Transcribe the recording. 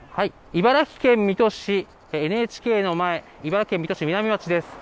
茨城県水戸市、ＮＨＫの前、茨城県水戸市南町です。